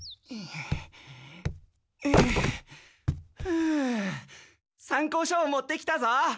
ふう参考書を持ってきたぞ。